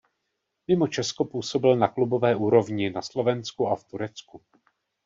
Mimo Česko působil na klubové úrovni na Slovensku a v Turecku.